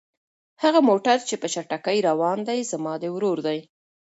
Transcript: هغه موټر چې په چټکۍ روان دی زما د ورور دی.